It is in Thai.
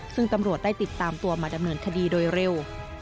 ซึ่งตำรวจได้ติดตามตัวมาดำเนินคดีโดยเร็ว